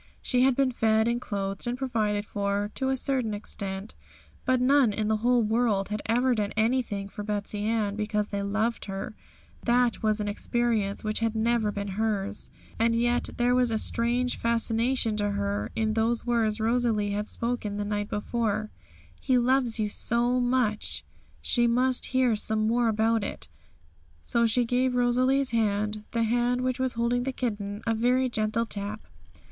She had been fed, and clothed, and provided for, to a certain extent; but none in the whole world had ever done anything for Betsey Ann because they loved her; that was an experience which had never been hers. And yet there had been a strange fascination to her in those words Rosalie had spoken the night before: 'He loves you so much' she must hear some more about it. So she gave Rosalie's hand, the hand which was holding the kitten, a very gentle tap.